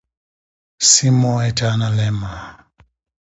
See more at analemma.